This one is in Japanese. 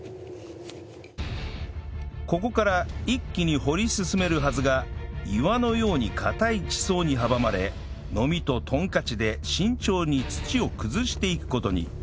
ここから一気に掘り進めるはずが岩のように硬い地層に阻まれノミとトンカチで慎重に土を崩していく事に